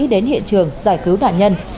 đến hiện trường giải cứu nạn nhân